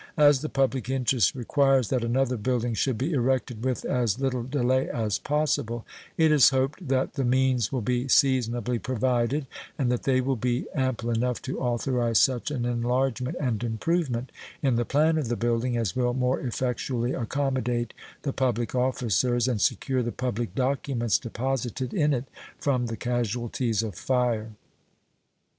As the public interest requires that another building should be erected with as little delay as possible, it is hoped that the means will be seasonably provided and that they will be ample enough to authorize such an enlargement and improvement in the plan of the building as will more effectually accommodate the public officers and secure the public documents deposited in it from the casualties of fire.